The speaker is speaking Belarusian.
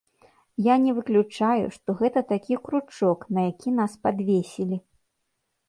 Я не выключаю, што гэта такі кручок, на які нас падвесілі.